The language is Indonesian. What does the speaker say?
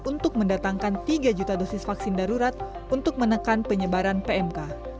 untuk mendatangkan tiga juta dosis vaksin darurat untuk menekan penyebaran pmk